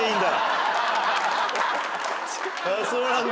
そうなんだ。